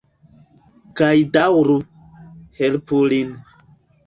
Kaj daŭru... helpu lin.